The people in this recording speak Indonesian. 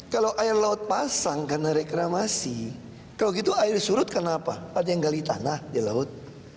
kalau air laut pasang karena reklamasi kalau gitu air surut karena apa ada yang gali tanah di laut